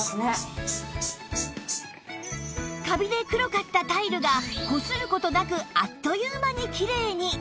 カビで黒かったタイルがこする事なくあっという間にきれいに